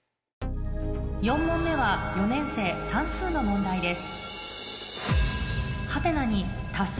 ４問目は４年生算数の問題です